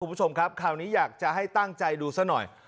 คุณผู้ชมครับคราวนี้อยากจะให้ตั้งใจดูซะหน่อย